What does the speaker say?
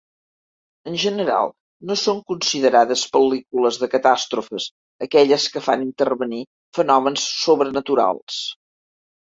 En general no són considerades pel·lícules de catàstrofes aquelles que fan intervenir fenòmens sobrenaturals.